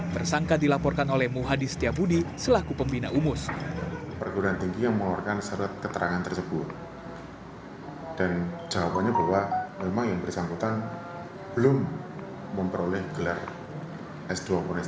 persangka dilaporkan oleh muhadis setiabudi selaku pembina umus